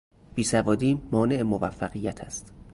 بیسوادی مانع موفقیت است.